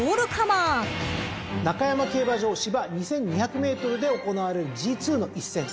中山競馬場芝２，２００ｍで行われるＧⅡの一戦。